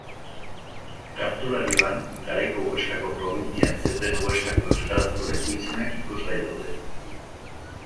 Kartularioan garaiko Huescako probintzian zeuden Huescako euskarazko leku-izenak ikusgai daude.